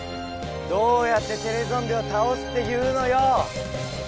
どうやってテレゾンビをたおすっていうのよ。